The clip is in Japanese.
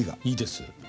いいです。